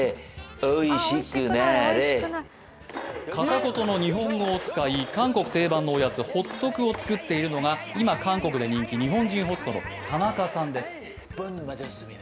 片言の日本語を使い、韓国定番のおやつホットクを作っているのが今韓国で人気、日本人ホストのタナカさんです。